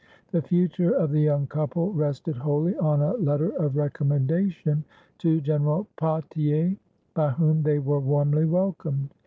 The future of the young couple rested wholly on a letter of recommendation to General Potier, by whom they were warmly welcomed.